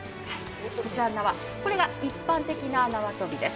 こちらの縄一般的な縄跳びです。